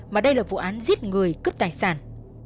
mà đây là vụ án giết người cướp tài sản